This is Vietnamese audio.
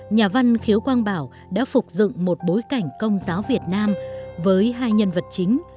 nhà văn khiếu quang bảo đã phục dựng một bối cảnh công giáo việt nam với hai nhân vật chính